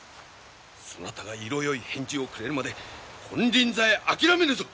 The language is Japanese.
そなたが色よい返事をくれるまで金輪際諦めぬぞ！